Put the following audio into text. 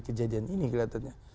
kejadian ini kelihatannya